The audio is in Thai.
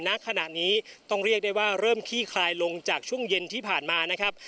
ณขณะนี้ต้องเรียกได้ว่าเริ่มขี้คลายลงจากช่วงเย็นที่ผ่านมานะครับ